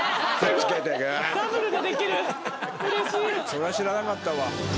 そりゃ知らなかったわ。